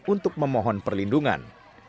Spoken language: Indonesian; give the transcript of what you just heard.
untuk memohon perlindungan